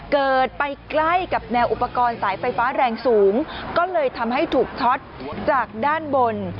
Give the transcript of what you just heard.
เกิดไปใกล้กับแนวอุปกรณ์สายไฟฟ้าแรงสูงก็เลยทำให้ถูกช็อตจากด้านบน